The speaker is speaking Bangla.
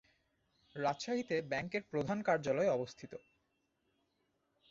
রাজশাহীতে ব্যাংকের প্রধান কার্যালয় অবস্থিত।